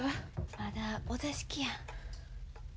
まだお座敷や。